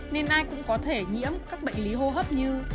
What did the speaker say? nên ai cũng có thể nhiễm các bệnh lý hô hấp như